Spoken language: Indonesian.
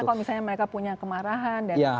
karena kalau misalnya mereka punya kemarahan